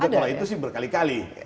tapi kalau itu sih berkali kali